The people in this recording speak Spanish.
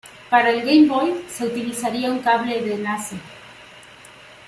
Para el Game Boy se utilizaría un cable de enlace.